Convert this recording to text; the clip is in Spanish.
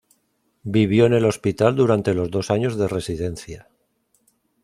Vivió en el hospital durante los dos años de residencia.